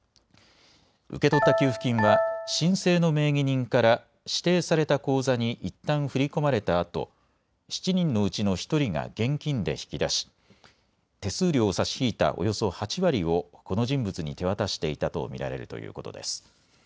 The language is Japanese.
受け取った給付金は申請の名義人から指定された口座にいったん振り込まれたあと、７人のうちの１人が現金で引き出し手数料を差し引いたおよそ８割をこの人物に手渡していたと見られるということです。